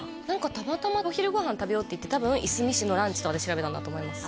たまたまお昼ご飯食べようっていって多分「いすみ市のランチ」とかで調べたんだと思います